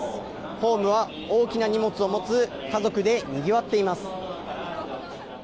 ホームは大きな荷物を持つ家族でにぎわっています。